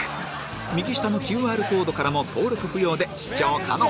右下の ＱＲ コードからも登録不要で視聴可能